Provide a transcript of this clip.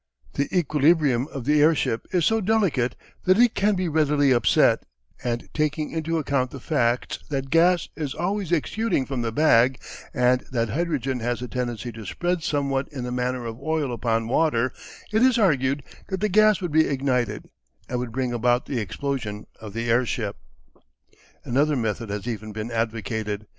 The equilibrium of the airship is so delicate that it can be readily upset, and taking into account the facts that gas is always exuding from the bag, and that hydrogen has a tendency to spread somewhat in the manner of oil upon water, it is argued that the gas would be ignited, and would bring about the explosion of the airship. Another method has even been advocated.